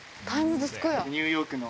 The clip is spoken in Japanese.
ニューヨークの。